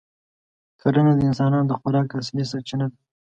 کرنه د انسانانو د خوراک اصلي سرچینه ده.